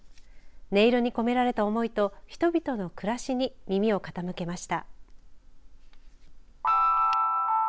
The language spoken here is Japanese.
音色に込められた思いと人々の暮らしに耳を傾けました。